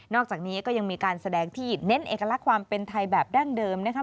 อกจากนี้ก็ยังมีการแสดงที่เน้นเอกลักษณ์ความเป็นไทยแบบดั้งเดิมนะคะ